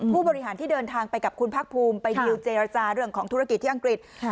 ผู้บริหารที่เดินทางไปกับคุณภาคภูมิไปดิวเจรจาเรื่องของธุรกิจที่อังกฤษ